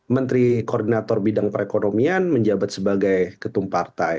menteri koordinator bidang perekonomian menjabat sebagai ketum partai